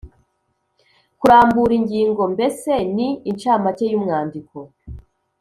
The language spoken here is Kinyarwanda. kurambura ingingo, mbese ni inshamake y’umwandiko